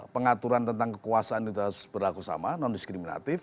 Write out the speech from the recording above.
pengaturan tentang kekuasaan itu harus berlaku sama non diskriminatif